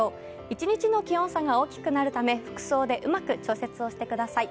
一日の気温差が大きくなるため、服装でうまく調節をしてください。